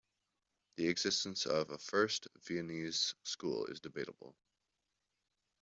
The existence of a "First Viennese School" is debatable.